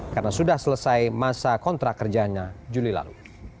karena sudah selesai masa kontrak kerjanya juli lalu